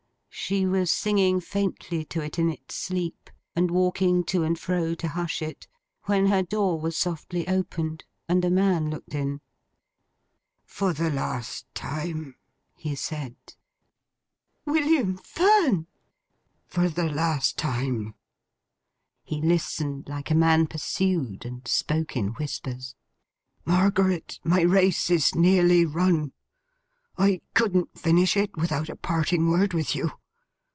She was singing faintly to it in its sleep, and walking to and fro to hush it, when her door was softly opened, and a man looked in. 'For the last time,' he said. 'William Fern!' 'For the last time.' He listened like a man pursued: and spoke in whispers. 'Margaret, my race is nearly run. I couldn't finish it, without a parting word with you.